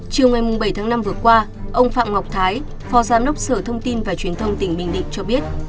chiều ngày bảy tháng năm vừa qua ông phạm ngọc thái phó giám đốc sở thông tin và truyền thông tỉnh bình định cho biết